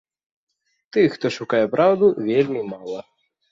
Тых, хто шукае праўду, вельмі мала.